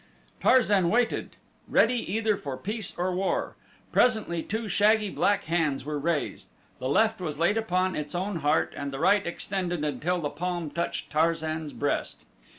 Tarzan waited, ready either for peace or war. Presently two shaggy black hands were raised; the left was laid upon its own heart and the right extended until the palm touched Tarzan's breast.